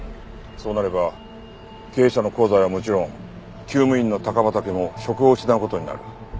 そうなれば経営社の香西はもちろん厩務員の高畠も職を失う事になる。